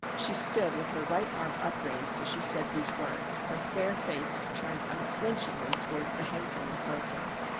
She stood with her right arm upraised as she said these words, her fair face turned unflinchingly toward the handsome insulter.